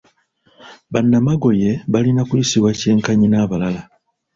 Banamagoye balina kuyisibwa kyenkanyi n'abalala.